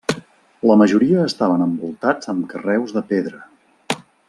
La majoria estaven envoltats amb carreus de pedra.